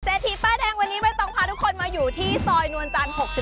ทีป้ายแดงวันนี้ใบตองพาทุกคนมาอยู่ที่ซอยนวลจันทร์๖๔